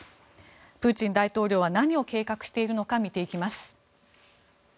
プーチン大統領は何を計画しているのか見ていきます。